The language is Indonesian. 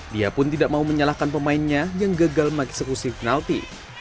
dia pun tidak mau menyalahkan pemainnya yang gagal mengeksekusi penalti